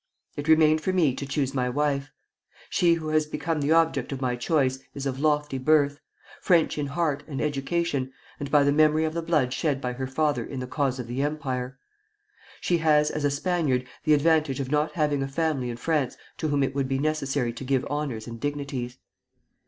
It remained for me to choose my wife. She who has become the object of my choice is of lofty birth, French in heart and education and by the memory of the blood shed by her father in the cause of the Empire. She has, as a Spaniard, the advantage of not having a family in France to whom it would be necessary to give honors and dignities.